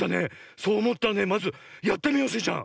そうおもったらねまずやってみようスイちゃん！